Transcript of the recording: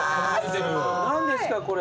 何ですかこれ。